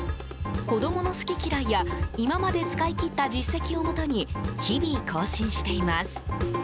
子供の好き嫌いや今まで使い切った実績をもとに日々、更新しています。